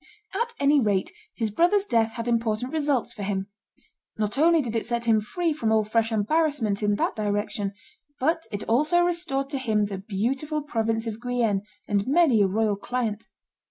At any rate his brother's death had important results for him. Not only did it set him free from all fresh embarrassment in that direction, but it also restored to him the beautiful province of Guienne, and many a royal client.